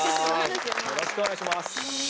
よろしくお願いします。